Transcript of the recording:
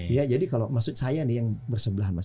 ya jadi kalau maksud saya nih yang bersebelahan